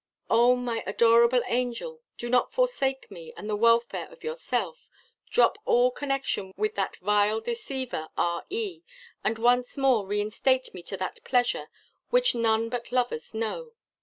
Oh, my adorable angel, do not forsake me and the welfare of yourself; drop all connection with that vile deceiver, R. E., and once more reinstate me to that pleasure which none but lovers know.